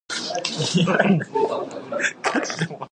Other aspects of management are unique for association managers.